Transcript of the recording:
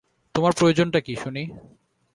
তোমার প্রয়োজনটা কী, শুনি।